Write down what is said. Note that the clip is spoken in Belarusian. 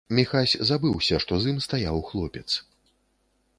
Міхась забыўся, што з ім стаяў хлопец.